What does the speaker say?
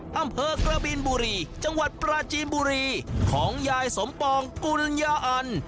อำเภอกระบินบุรีจังหวัดปราจีนบุรีของยายสมปองกุญญาอัน